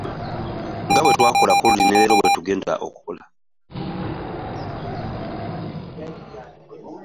Nga bwe twakola luli ne leero bwe tujja okukola.